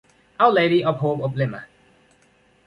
Our Lady of Hope of Lima.